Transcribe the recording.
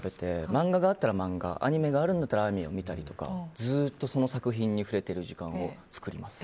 漫画があったら漫画アニメがあるならアニメを見たりずっとその作品に触れている時間を作ります。